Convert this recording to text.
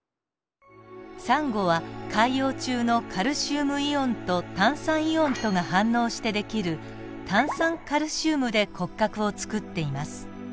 サンゴは海洋中のカルシウムイオンと炭酸イオンとが反応してできる炭酸カルシウムで骨格をつくっています。